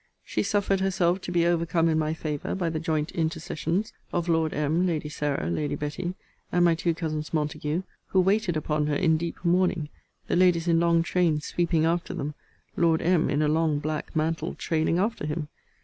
She suffered herself to be overcome in my favour by the joint intercessions of Lord M., Lady Sarah, Lady Betty, and my two cousins Montague, who waited upon her in deep mourning; the ladies in long trains sweeping after them; Lord M. in a long black mantle trailing after him.